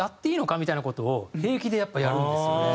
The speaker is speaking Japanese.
みたいな事を平気でやっぱやるんですよね。